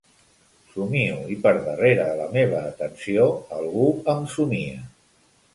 Somio, i per darrere de la meva atenció algú em somia.